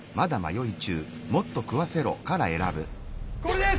これです！